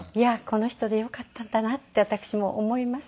この人でよかったんだなって私も思います。